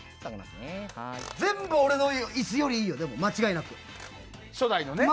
全部、俺の椅子よりいいよ間違いなく。